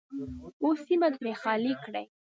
او سیمه ترې خالي کړي.